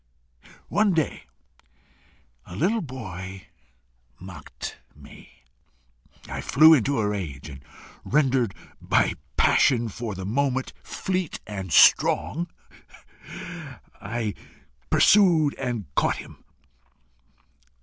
"One day a little boy mocked me. I flew into a rage, and, rendered by passion for the moment fleet and strong, pursued and caught him.